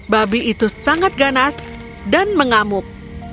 babi itu sangat ganas dan mengamuk